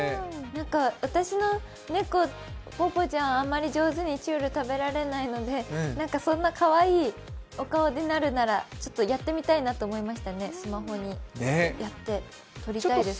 私のポポちゃん、あまり上手にちゅるを食べられないので、そんなかわいいお顔になるならやってみたいなと思いましたね、スマホにやって撮りたいです。